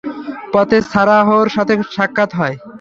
পথে সারাহর সাথে সাক্ষাৎ হয়।